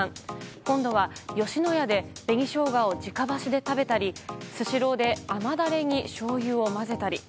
今度は吉野家で紅ショウガを直箸で食べたりスシローで甘だれにしょうゆを混ぜたり。